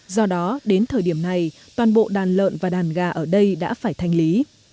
do đó đến thời điểm này toàn bộ đàn lợn và đàn gà ở đây đã phải thanh lý